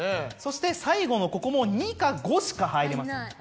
そして最後のここも２か５しか入りません。